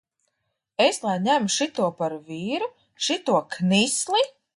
Es lai ņemu šito par vīru, šito knisli!